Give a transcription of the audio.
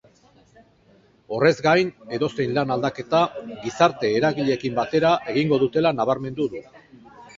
Horrez gain, edozein lan-aldaketa gizarte-eragileekin batera egingo dutela nabarmendu du.